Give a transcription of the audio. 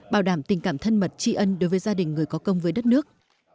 bảo đảm tình cảm thân mật tri ân đối với gia đình người có công với đất nước